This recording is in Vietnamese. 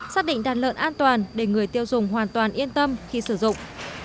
xác định đàn lợn an toàn để người tiêu dùng hoàn toàn yên tâm khi sử dụng